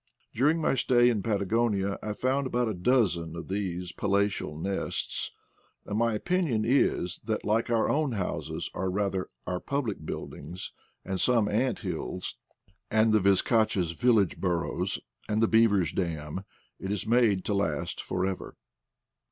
During my stay in Patagonia I found about a dozen of these pa latial nests ; and my opinion is that like our own houses, or, rather, our public buildings, and some ant hills, and the vizcacha's village burrows, and the beaver's dam, it is made to last for ever.